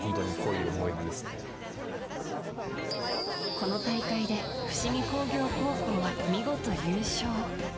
この大会で伏見工業高校は見事、優勝。